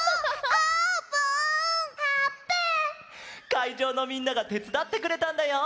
かいじょうのみんながてつだってくれたんだよ！